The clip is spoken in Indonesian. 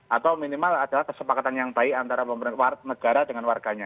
atau minimal adalah kesepakatan yang baik antara negara dengan warganya